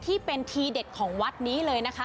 ที่เป็นทีเด็ดของวัดนี้เลยนะคะ